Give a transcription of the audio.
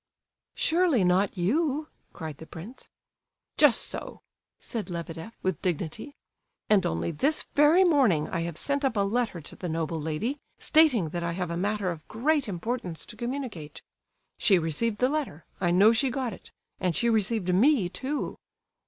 "Surely not you?" cried the prince. "Just so," said Lebedeff, with dignity; "and only this very morning I have sent up a letter to the noble lady, stating that I have a matter of great importance to communicate. She received the letter; I know she got it; and she received me, too."